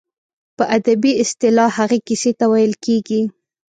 په ادبي اصطلاح هغې کیسې ته ویل کیږي.